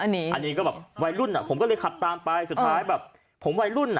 อันนี้อันนี้ก็แบบวัยรุ่นอ่ะผมก็เลยขับตามไปสุดท้ายแบบผมวัยรุ่นอ่ะ